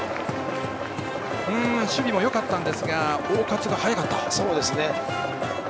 守備もよかったんですが大勝が速かった。